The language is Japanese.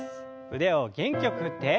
腕を元気よく振って。